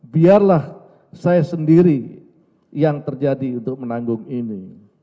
biarlah saya sendiri yang terjadi untuk menanggung ini